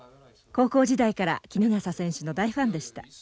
高校時代から衣笠選手の大ファンでした。